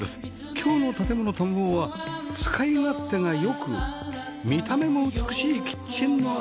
今日の『建もの探訪』は使い勝手が良く見た目も美しいキッチンのある家